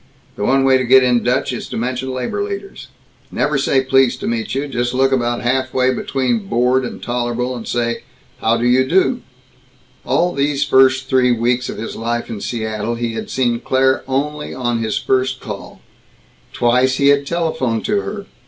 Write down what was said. "The one way to get in Dutch is to mention labor leaders. "Never say 'Pleased to meet you.' Just look about halfway between bored and tol'able and say, 'How do you do?'" All these first three weeks of his life in Seattle, he had seen Claire only on his first call. Twice he had telephoned to her.